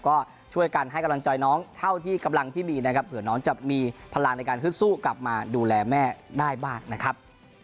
ก็ช่วยกันให้กำลังใจน้องเท่าที่กำลังที่มีนะครับเผื่อน้องจะมีพลังในการฮึดสู้กลับมาดูแลแม่ได้บ้างนะครับ